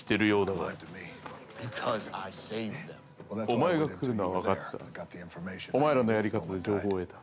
◆お前が来るのは分かっていた。